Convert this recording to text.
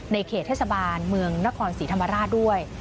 เขตเทศบาลเมืองนครศรีธรรมราชด้วย